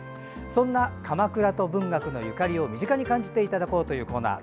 そんな鎌倉と文学のゆかりを身近に感じてもらうコーナー。